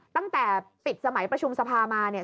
ตั้งแต่ปิดสมัยประชุมสภามาเนี่ย